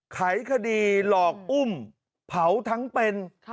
ไขคดีหลอกอุ้มเผาทั้งเป็น